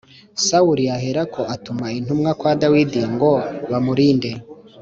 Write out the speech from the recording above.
Sawuli aherako atuma intumwa kwa Dawidi ngo bamurinde